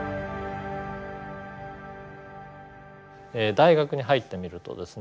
大学に入ってみるとですね